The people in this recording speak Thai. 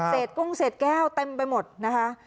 กุ้งเศษแก้วเต็มไปหมดนะคะ